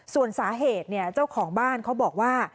ส่วนสาเหตุเจ้าของบ้านเขาบอกว่า